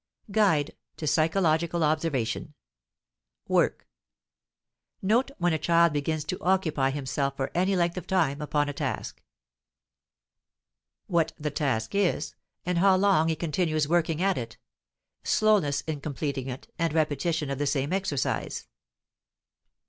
=Guide to psychological observation=. WORK. Note when a child begins to occupy himself for any length of time upon a task. What the task is and how long he continues working at it (slowness in completing it and repetition of the same exercise).